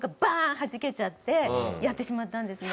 はじけちゃってやってしまったんですね。